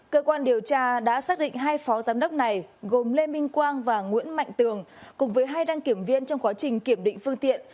cơ quan điều tra đã xác định hai phó giám đốc này gồm lê minh quang và nguyễn mạnh tường cùng với hai đăng kiểm viên trong quá trình kiểm định phương tiện